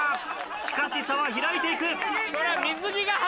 しかし差は開いて行く！